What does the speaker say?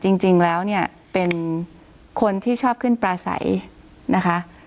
จริงแล้วเนี่ยเป็นคนที่ชอบขึ้นปลาใสนะคะ